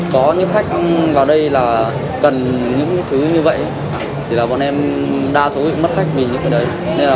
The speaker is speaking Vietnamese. có những khách vào đây cần những thứ như vậy bọn em đa số bị mất khách vì những cái đấy